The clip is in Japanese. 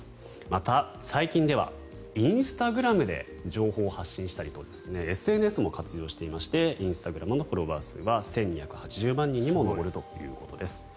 また、最近ではインスタグラムで情報を発信したりとＳＮＳも活用していましてインスタグラムのフォロワー数は１２８０万人にも上るということです。